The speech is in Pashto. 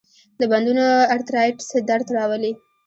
د بندونو ارترایټس درد راولي.